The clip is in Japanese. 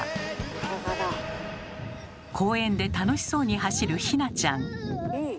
公園で楽しそうに走るひなちゃん。